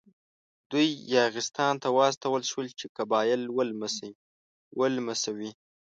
دوی یاغستان ته واستول شول چې قبایل ولمسوي.